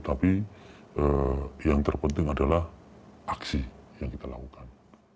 tapi yang terpenting adalah aksi yang kita lakukan